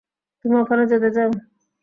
তুমি ওখানে যেতে চাও।